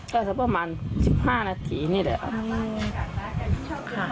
ก็จะประมาณ๑๕นาทีนี่แหละอ่ะ